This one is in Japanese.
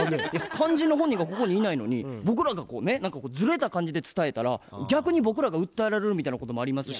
肝心の本人がここにいないのに僕らがこうね何かずれた感じで伝えたら逆に僕らが訴えられるみたいなこともありますし。